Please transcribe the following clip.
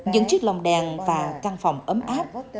những chiếc lồng đèn và căn phòng ấm áp